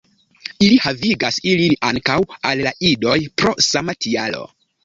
Ili havigas ilin ankaŭ al la idoj pro sama tialo.